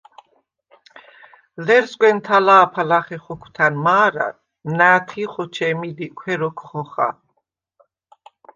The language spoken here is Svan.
ლერსგვენ თა̄ლა̄ფა ლახე ხოქვთა̈ნ მა̄რა, ნა̄̈თი̄ ხოჩე̄მი ლიკვჰე როქვ ხოხა.